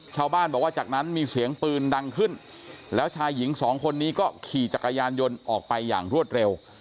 ชาวบ้านบอกว่าจากนั้นมีเสียงปืนดังขึ้นแล้วชายหญิงสองคนนี้ก็ขี่จักรยานยนต์ออกไปอย่างรวดเร็ว